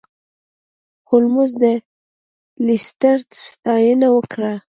هولمز د لیسټرډ ستاینه وکړه.